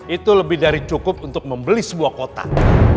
itu lebih dari cukup untuk membeli sebuah kotak